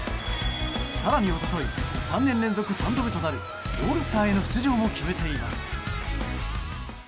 更に一昨日３年連続３度目となるオールスターへの出場も決めています。